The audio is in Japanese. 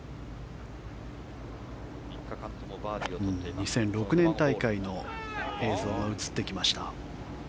２００６年大会の映像が映ってきました。